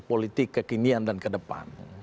politik kekinian dan ke depan